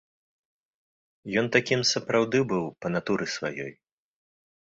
Ён такім сапраўды быў па натуры сваёй.